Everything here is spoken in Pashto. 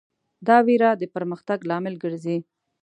دا وېره د پرمختګ لامل ګرځي.